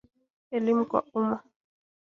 Elimu kwa umma